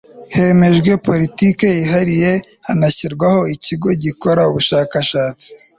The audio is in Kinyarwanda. hemejwe politiki yihariye, hanashyirwaho ikigo gikora ubushakashatsi